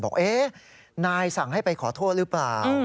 บอกเอ๊ะนายสั่งให้ไปขอโทษหรือเปล่า